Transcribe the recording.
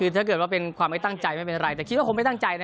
ถ้าเกิดว่าเป็นความไม่ตั้งใจไม่เป็นไรแต่คิดว่าคงไม่ตั้งใจนะ